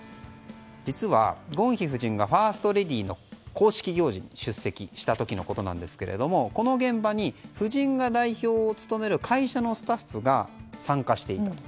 実は、ゴンヒ夫人がファーストレディーの公式行事に出席した時のことですがこの現場に夫人が代表を務める会社のスタッフが参加していたと。